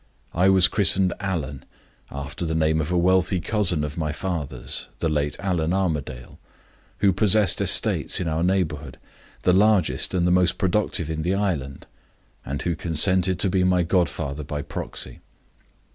I was christened Allan, after the name of a wealthy cousin of my father's the late Allan Armadale who possessed estates in our neighborhood, the largest and most productive in the island, and who consented to be my godfather by proxy.